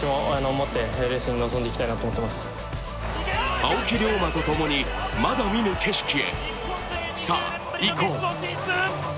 青木涼真とともにまだ見ぬ景色へ、さあ行こう。